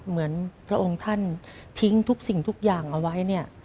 เหมือนพระองค์ท่านทิ้งทุกสิ่งทุกอย่างเอาไว้เนี่ย